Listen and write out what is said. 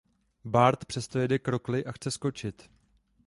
Bart přesto jede k rokli a chce skočit.